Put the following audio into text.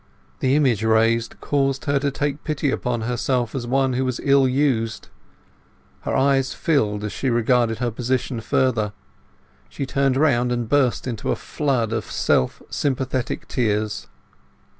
The image raised caused her to take pity upon herself as one who was ill used. Her eyes filled as she regarded her position further; she turned round and burst into a flood of self sympathetic tears.